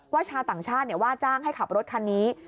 ชาวต่างชาติว่าจ้างให้ขับรถคันนี้